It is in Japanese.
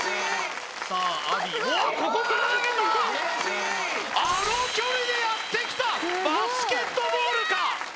あの距離でやってきたバスケットボールか！